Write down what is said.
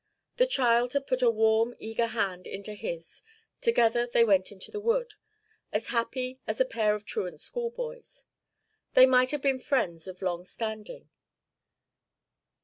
The child had put a warm, eager hand into his; together they went into the wood, as happy as a pair of truant school boys; they might have been friends of long standing.